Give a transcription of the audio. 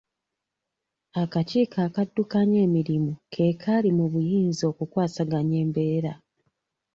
Akakiiko akaddukanya emirimu ke kaali mu buyinza okwasaganya embeera